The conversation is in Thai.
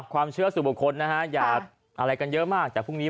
ความเชื่อสู่บุคคลนะฮะอย่าอะไรกันเยอะมากแต่พรุ่งนี้